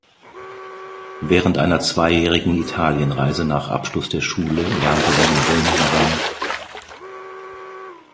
Während einer zweijährigen Italienreise nach Abschluss der Schule lernte er in Rom Mme.